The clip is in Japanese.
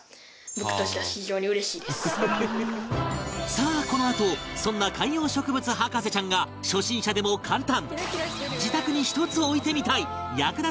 さあこのあとそんな観葉植物博士ちゃんが初心者でも簡単